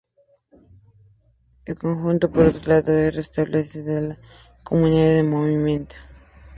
El flujo por otro lado, es responsable de la continuidad del movimiento.